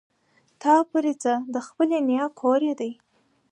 تا پورې څه د خپلې نيا کور يې دی.